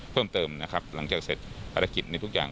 เพิ่มเติมนะครับหลังจากเสร็จภารกิจในทุกอย่าง